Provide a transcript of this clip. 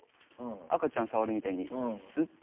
赤ちゃん触るみたいにスッて。